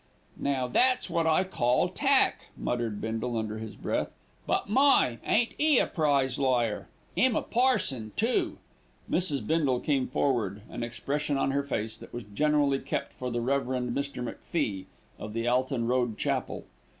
"Now that's wot I call tack," muttered Bindle under his breath, "but my! ain't 'e a prize liar, 'im a parson too." Mrs. Bindle came forward, an expression on her face that was generally kept for the Rev. Mr. MacFie, of the Alton Road Chapel.